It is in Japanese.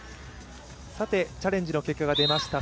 チャレンジの結果が出ました。